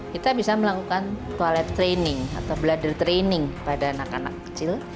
kita bisa melakukan toilet training atau blother training pada anak anak kecil